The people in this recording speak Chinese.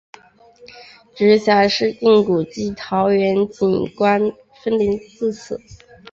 直辖市定古迹桃园景福宫分灵自此。